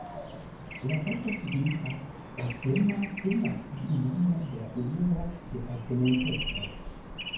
La vorto signifas pacema, temas pri nomo de la unua departementestro.